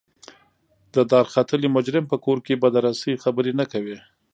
د دارختلي مجرم په کور کې به د رسۍ خبرې نه کوئ.